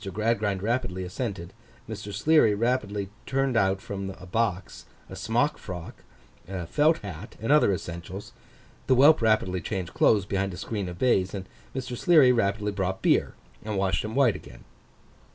Gradgrind rapidly assented; Mr. Sleary rapidly turned out from a box, a smock frock, a felt hat, and other essentials; the whelp rapidly changed clothes behind a screen of baize; Mr. Sleary rapidly brought beer, and washed him white again.